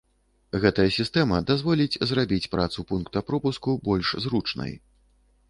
Гэтая сістэма дазволіць зрабіць працу пункта пропуску больш зручнай.